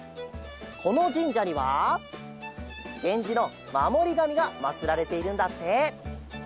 このじんじゃにはげんじのまもりがみがまつられているんだって。